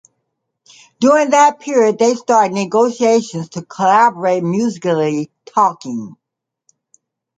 During that period they started negotiations to collaborate musically talking.